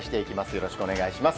よろしくお願いします。